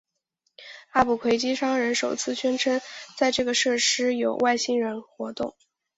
阿布奎基商人首次宣称在这个设施有外星人活动。